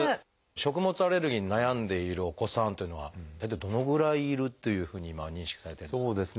食物アレルギーに悩んでいるお子さんっていうのは大体どのぐらいいるというふうに今は認識されてるんですか？